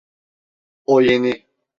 O yeni.